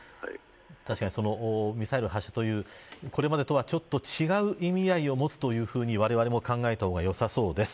確かにミサイル発射というこれまでとはちょっと違う意味合いを持つというふうにわれわれも考えた方がよさそうです。